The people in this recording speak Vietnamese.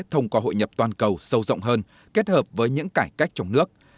thông qua hội nhập toàn cầu sâu rộng hơn kết hợp với những cải cách trong nước